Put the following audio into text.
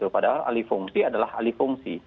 padahal alih fungsi adalah alih fungsi